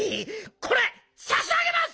これさしあげます！